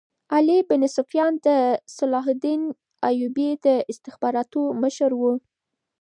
علي بن سفیان د صلاح الدین ایوبي د استخباراتو مشر وو.